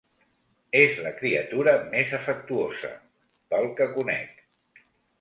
És la criatura més afectuosa, pel que conec.